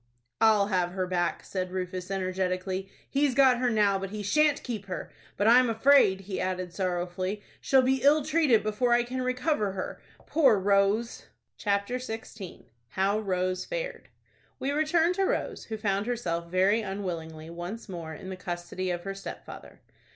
"I'll have her back," said Rufus, energetically. "He's got her now; but he shan't keep her. But I'm afraid," he added, sorrowfully, "she'll be ill treated before I can recover her, poor Rose!" CHAPTER XVI. HOW ROSE FARED. We return to Rose, who found herself very unwillingly once more in the custody of her stepfather.